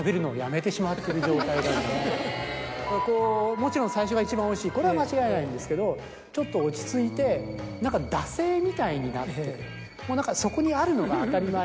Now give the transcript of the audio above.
もちろん最初が一番おいしいこれは間違いないんですけどちょっと落ち着いて何か惰性みたいになってそこにあるのが当たり前。